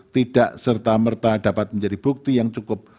tidak serta merta dapat menjadi bukti yang cukup